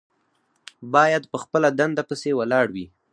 باید په خپله دنده پسې ولاړ وي.